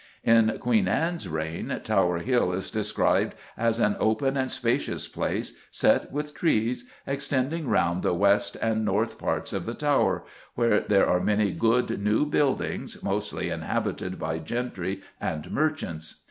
In Queen Anne's reign Tower Hill is described as "an open and spacious place, set with trees, extending round the west and north parts of the Tower, where there are many good new buildings, mostly inhabited by gentry and merchants."